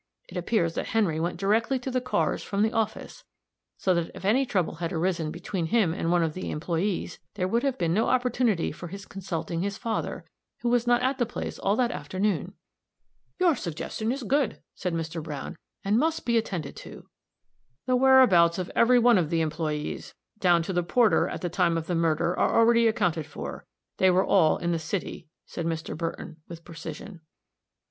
It appears that Henry went directly to the cars from the office; so that if any trouble had arisen between him and one of the employees, there would have been no opportunity for his consulting his father, who was not at the place all that afternoon." "Your suggestion is good," said Mr. Browne, "and must be attended to." "The whereabouts of every one of the employees, down to the porter, at the time of the murder, are already accounted for. They were all in the city," said Mr. Burton, with precision.